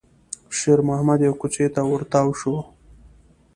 شېرمحمد يوې کوڅې ته ور تاو شو.